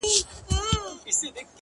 ته کندهار کي اوسه دا چينه بې وږمه نه سي;